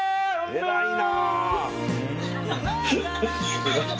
偉いな。